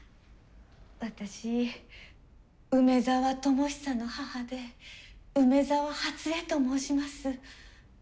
私梅沢智久の母で梅沢初枝と申します。